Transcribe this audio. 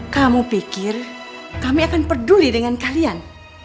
kamu pikir kami akan peduli dengan kalian